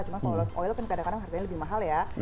cuma kalau oil kan kadang kadang harganya lebih mahal ya